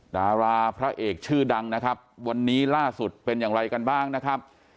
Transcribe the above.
ดาราพระเอกชื่อดังนะครับวันนี้ล่าสุดเป็นอย่างไรกันบ้างนะครับ